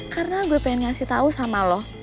karena gue pengen ngasih tau sama lo